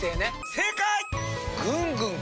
正解！